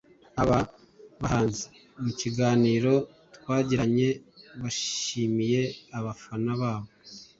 Aba bahanzi mu kiganiro twagiranye bashimiye abafana babo